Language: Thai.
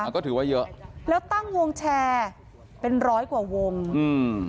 ก็ถือว่าเยอะแล้วตั้งวงแชร์เป็นร้อยกว่าวงอืม